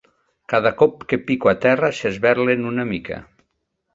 Cada cop que pico a terra s'esberlen una mica.